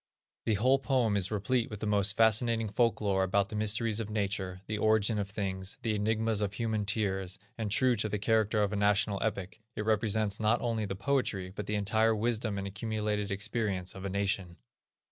The whole poem is replete with the most fascinating folk lore about the mysteries of nature, the origin of things, the enigmas of human tears, and, true to the character of a national epic, it represents not only the poetry, but the entire wisdom and accumulated experience of a nation.